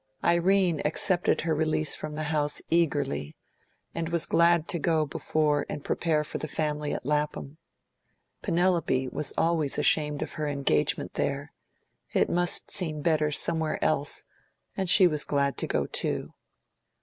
Irene accepted her release from the house eagerly, and was glad to go before and prepare for the family at Lapham. Penelope was always ashamed of her engagement there; it must seem better somewhere else and she was glad to go too.